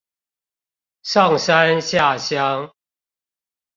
上山下鄉